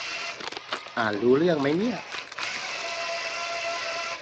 อ่านรู้เรื่องมั๊ยเนี่ย